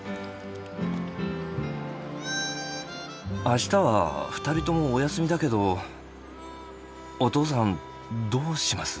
明日は２人ともお休みだけどお父さんどうします？